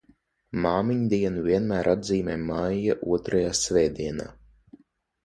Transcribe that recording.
Māmiņdienu vienmēr atzīmē maija otrajā svētdienā.